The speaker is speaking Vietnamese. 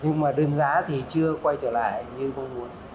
nhưng mà đơn giá thì chưa quay trở lại như mong muốn